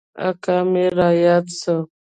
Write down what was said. اکا مې راياد سو.